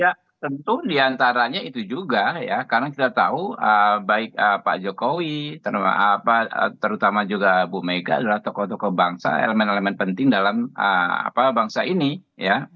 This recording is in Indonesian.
ya tentu diantaranya itu juga ya karena kita tahu baik pak jokowi terutama juga bu mega adalah tokoh tokoh bangsa elemen elemen penting dalam bangsa ini ya